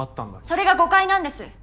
それが誤解なんです！